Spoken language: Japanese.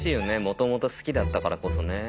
もともと好きだったからこそね。